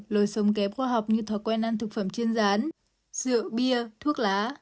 lối sống kép khoa học như thói quen ăn thực phẩm chiên rán rượu bia thuốc lá